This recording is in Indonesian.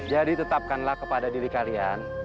jadi tetapkanlah kepada diri kalian